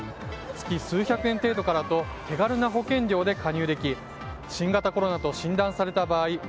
月数百円程度からと手軽な保険料で加入でき新型コロナと診断された場合